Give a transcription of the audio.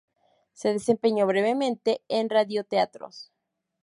Se desempeñó brevemente en radioteatros.